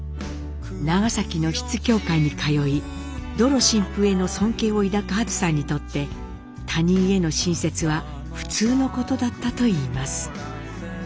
長崎の出津教会に通いド・ロ神父への尊敬を抱くハツさんにとって他人への親切は普通のことだったといいます。